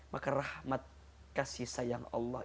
maka rahmat kasih sayang allah